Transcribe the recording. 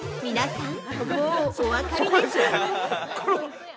◆皆さんもうお分かりですよね？